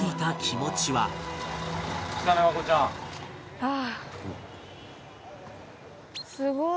ああ。